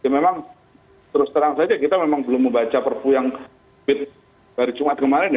memang terus terang saja kita memang belum membaca perpu yang fit hari jumat kemarin ya